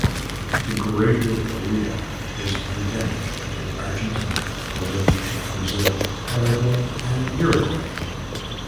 The greater rhea is endemic to Argentina, Bolivia, Brazil, Paraguay, and Uruguay.